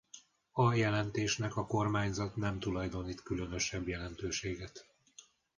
A jelentésnek a kormányzat nem tulajdonított különösebb jelentőséget.